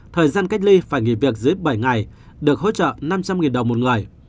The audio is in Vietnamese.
thời gian cách ly phải nghỉ việc dưới bảy ngày được hỗ trợ năm trăm linh đồng một người